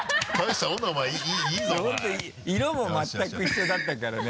本当色も全く一緒だったからね。